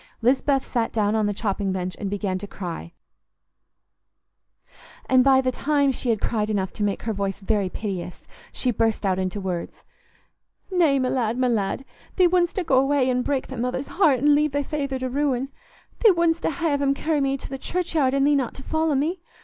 Lisbeth sat down on the chopping bench and began to cry, and by the time she had cried enough to make her voice very piteous, she burst out into words. "Nay, my lad, my lad, thee wouldstna go away an' break thy mother's heart, an' leave thy feyther to ruin. Thee wouldstna ha' 'em carry me to th' churchyard, an' thee not to follow me.